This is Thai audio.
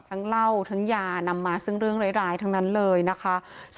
เหล้าทั้งยานำมาซึ่งเรื่องร้ายทั้งนั้นเลยนะคะ